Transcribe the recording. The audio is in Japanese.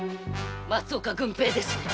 松岡軍平ですね。